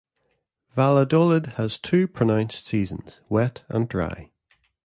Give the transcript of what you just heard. Valladolid has two pronounced seasons, wet and dry.